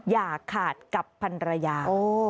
อย่าขาดกับพันรยา